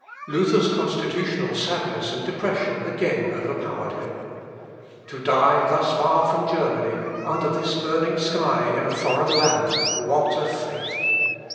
Luther's constitutional sadness and depression again overpowered him. To die thus far from Germany, under this burning sky in a foreign land, what a fate!